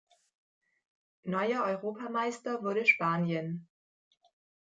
Neuer Europameister wurde Spanien.